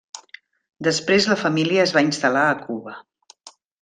Després la família es va instal·lar a Cuba.